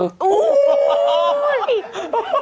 โอ้โห